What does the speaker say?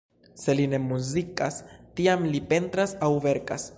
Se li ne muzikas, tiam li pentras aŭ verkas.